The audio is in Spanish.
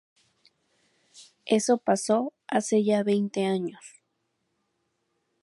Eso pasó hace ya veinte años.